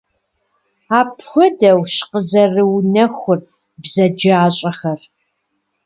Апхуэдэущ къызэрыунэхур бзаджащӀэхэр.